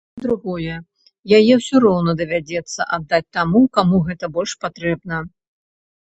Па-другое, яе ўсё роўна давядзецца аддаць таму, каму гэта больш патрэбна.